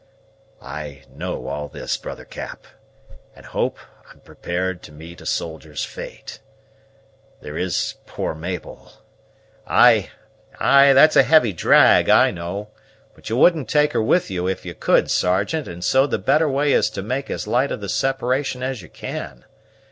"I know all this, brother Cap; and hope I'm prepared to meet a soldier's fate there is poor Mabel " "Ay, ay, that's a heavy drag, I know; but you wouldn't take her with you if you could, Sergeant; and so the better way is to make as light of the separation as you can.